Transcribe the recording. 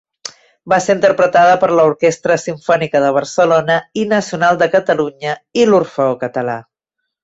Va ser interpretada per l'Orquestra Simfònica de Barcelona i Nacional de Catalunya i l'Orfeó Català.